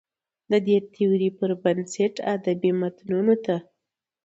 د دې تيورۍ پر بنسټ ادبي متونو ته